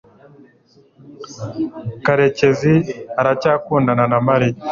karekezi aracyakundana na mariya